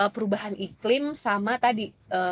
perubahan iklim sama tadi